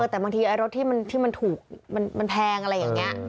แต่บางทีรถที่มันถูกมันแพงอะไรอย่างนี้